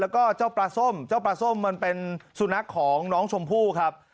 แล้วก็เจ้าปลาส้มเจ้าปลาส้มมันเป็นสุนัขของน้องชมพู่ครับ